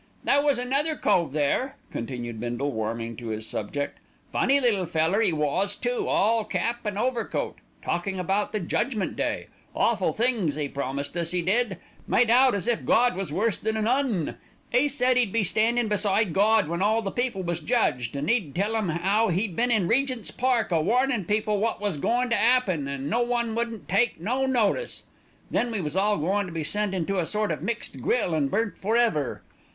"There was another cove there," continued Bindle, warming to his subject. "Funny little feller 'e was too, all cap an' overcoat, talking about the Judgment Day. Awful things 'e promised us, 'e did. Made out as if Gawd was worse than an 'Un. 'E said 'e'd be standin' beside Gawd when all the people was judged, and 'e'd tell 'Im 'ow 'e'd been in Regent's Park a warnin' people wot was goin' to 'appen, and no one wouldn't take no notice. Then we was all goin' to be sent into a sort of mixed grill and burnt for ever.